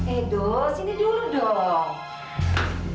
edo sini dulu dong